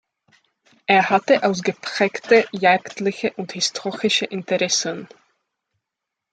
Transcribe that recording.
Er hatte ausgeprägte jagdliche und historische Interessen.